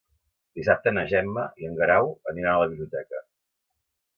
Dissabte na Gemma i en Guerau aniran a la biblioteca.